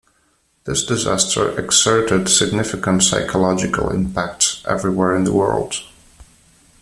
This disaster exerted significant psychological impact everywhere in the world.